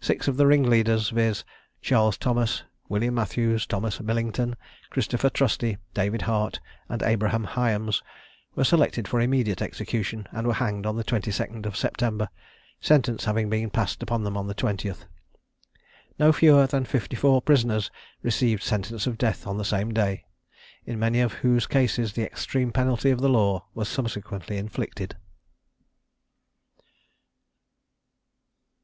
Six of the ringleaders, viz. Charles Thomas, William Matthews, Thomas Millington, Christopher Trusty, David Hart, and Abraham Hyams, were selected for immediate execution, and were hanged on the 22d of September, sentence having been passed upon them on the 20th. No fewer than fifty four prisoners received sentence of death on the same day, in many of whose cases the extreme penalty of the law was subsequently inflicted.